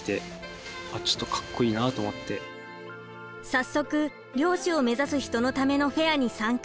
早速漁師を目指す人のためのフェアに参加。